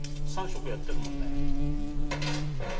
３食やってるもんね。